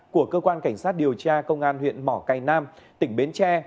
của cơ quan cảnh sát điều tra công an huyện mỏ cây nam tỉnh bến tre